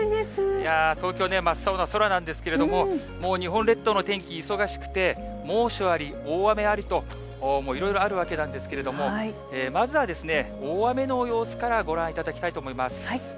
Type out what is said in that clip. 東京ね、真っ青な空なんですけれども、もう日本列島の天気、忙しくて、猛暑あり、大雨ありと、いろいろあるわけなんですけれども、まずは、大雨の様子からご覧いただきたいと思います。